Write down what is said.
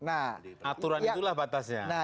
aturan itulah batasnya